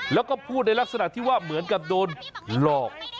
แล้วก็พูดในลักษณะที่ว่าเหมือนกับโดนหลอก